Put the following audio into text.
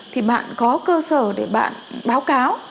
thì bạn có cơ sở để bạn báo cáo